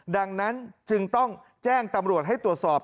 ดังนั้นจึงต้องแจ้งตำรวจให้ตรวจสอบ